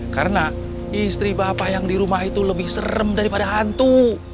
karena istri bapak yang di rumah itu lebih serem daripada hantu